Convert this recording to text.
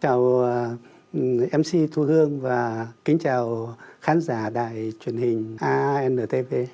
chào mc thu hương và kính chào khán giả đại truyền hình aan tv